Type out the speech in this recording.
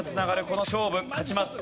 この勝負勝ちます。